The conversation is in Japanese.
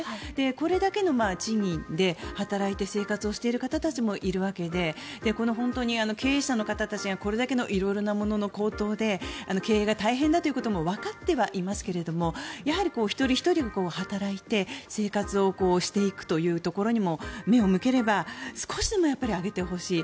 これだけの賃金で働いて生活をしている方たちもいるわけで本当に経営者の方たちはこれだけの色々なものの高騰で経営が大変だということもわかってはいますけどもやはり一人ひとりが働いて生活をしていくというところにも目を向ければ少しでもやっぱり上げてほしい。